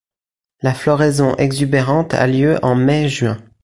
La floraison exubérante a lieu en mai-juin.